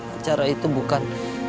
acara itu bukan